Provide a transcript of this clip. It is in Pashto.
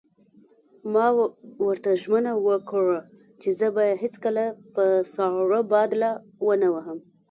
ما ورته ژمنه وکړه: زه به یې هېڅکله په ساړه باد لا ونه وهم.